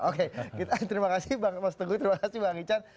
oke terima kasih mas teguh terima kasih bang ican